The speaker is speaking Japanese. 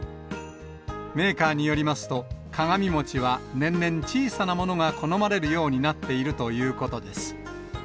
メーカーによりますと、鏡餅は年々、小さなものが好まれるようになっているということです。